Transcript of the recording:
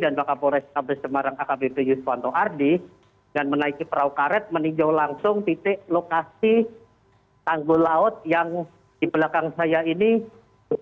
dan pak kapolres kabupaten semarang akbp yusuf wanto ardi dan menaiki perahu karet meninjau langsung titik lokasi tanggul laut yang di belakang saya ini jebol